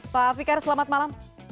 pak fikar selamat malam